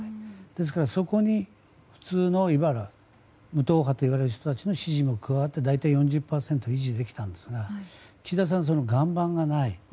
ですから、そこに普通のいわば無党派といわれる層の支持も加わって４０％維持できたんですが岸田さんは、その岩盤がない。